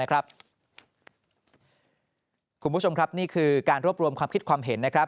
คุณผู้ชมครับนี่คือการรวบรวมความคิดความเห็นนะครับ